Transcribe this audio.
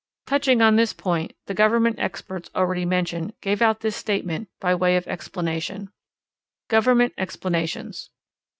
Touching on this point the Government experts already mentioned gave out this statement by way of explanation: _Government Explanations.